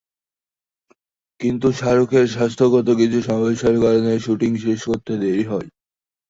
কিন্তু শাহরুখের স্বাস্থ্যগত কিছু সমস্যার কারণে শুটিং শেষ করতে দেরি হয়।